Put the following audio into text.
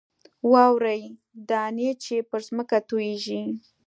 واورې دانې چې پر ځمکه تویېږي.